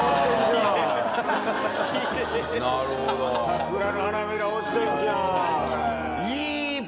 桜の花びら落ちてるじゃん。